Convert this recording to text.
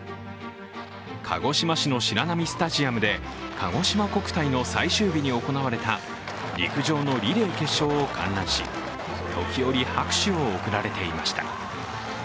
鹿児島市の白波スタジアムでかごしま国体の最終日に行われた陸上のリレー決勝を観覧し時折、拍手を送られていました。